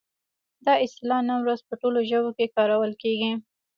دا اصطلاح نن ورځ په ټولو ژبو کې کارول کیږي.